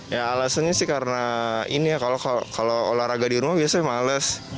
ya alasannya sih karena ini ya kalau olahraga di rumah biasanya males